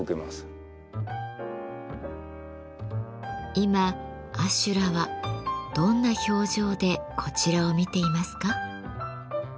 今阿修羅はどんな表情でこちらを見ていますか？